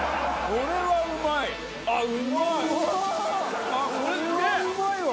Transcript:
これはうまいわ！